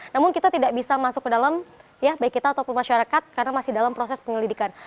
namun kita tidak bisa masuk ke dalam ya baik kita ataupun masyarakat karena masih dalam proses penyelidikan